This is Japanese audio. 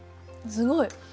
すごい。